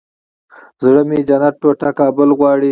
زړه مې جنت ټوټه کابل غواړي